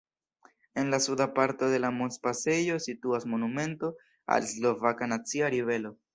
En la suda parto de la montpasejo situas monumento al Slovaka nacia ribelo.